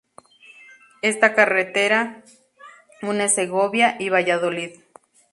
Esta carretera, une Segovia y Valladolid.